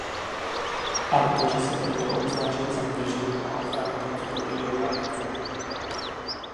Autoři se proto obzvláště zaměřili na ochranu proti kopírování.